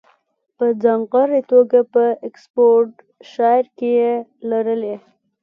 په ځانګړې توګه په اکسفورډشایر کې یې لرلې